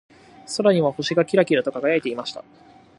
空には星がキラキラと輝いていました。